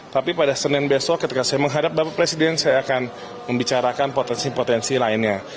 tapi pada senin besok ketika saya menghadap bapak presiden saya akan membicarakan potensi potensi lainnya